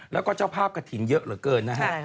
แล้วก็เจ้าภาพกระถิ่นเยอะเหลือเกินนะฮะ